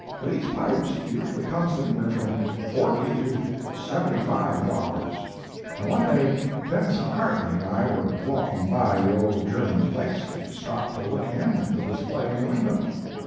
These pipes usually cost anywhere from forty to seventy five dollars. "One day Denis McCarthy and I were walking by the old German's place, and stopped to look in at the display in the window.